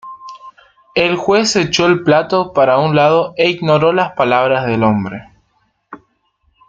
El juez echó el plato para un lado e ignoró las palabras del hombre.